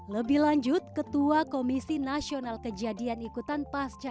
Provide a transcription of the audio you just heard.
lebih lanjut ketua komisi nasional kejadian ikutan pasca